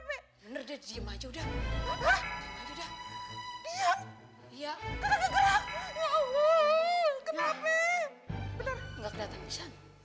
bener gak kelihatan bisa